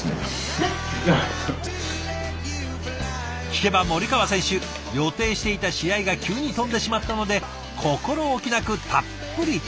聞けば森川選手予定していた試合が急に飛んでしまったので心おきなくたっぷり食べられる時期なんだとか。